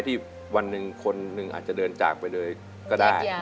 หมดที่คนนึงอาจจะเดินจากก็ได้